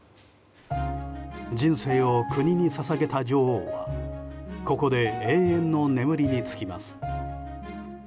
人生を国に捧げた女王はここで永遠の眠りにつきます。